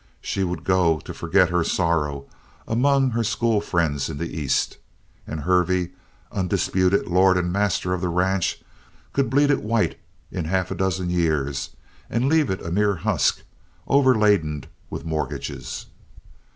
She would go to forget her sorrow among her school friends in the East. And Hervey, undisputed lord and master of the ranch, could bleed it white in half a dozen years and leave it a mere husk, overladen with mortgages.